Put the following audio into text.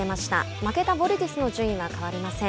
負けたヴォルティスの順位は変わりません。